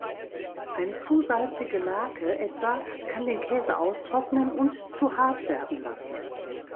Eine zu salzige Lake etwa kann den Käse austrocknen und zu hart werden lassen.